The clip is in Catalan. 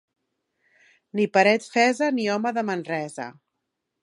Ni paret fesa, ni home de Manresa.